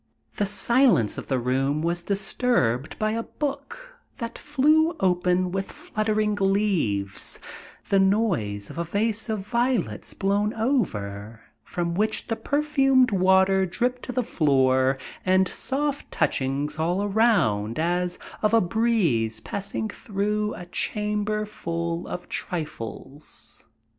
The silence of the room was disturbed by a book that flew open with fluttering leaves, the noise of a vase of violets blown over, from which the perfumed water dripped to the floor, and soft touchings all around as of a breeze passing through a chamber full of trifles.